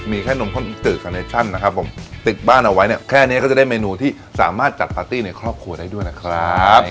มีแค่นมข้นตึกคาเนชั่นนะครับผมตึกบ้านเอาไว้เนี่ยแค่นี้ก็จะได้เมนูที่สามารถจัดปาร์ตี้ในครอบครัวได้ด้วยนะครับ